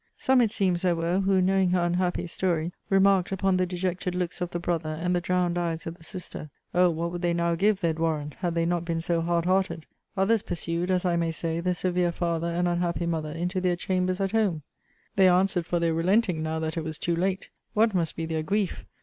Some, it seems there were, who, knowing her unhappy story, remarked upon the dejected looks of the brother, and the drowned eyes of the sister! 'O what would they now give, they'd warrant, had they not been so hard hearted!' Others pursued, as I may say, the severe father and unhappy mother into their chambers at home 'They answered for their relenting, now that it was too late! What must be their grief!